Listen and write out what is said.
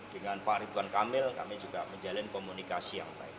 dengan pak ridwan kamil kami juga menjalin komunikasi yang baik